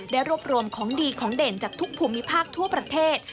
ได้รวบรวมของดีของเด่นจากทุกภูมิภาคทั่วประเทศ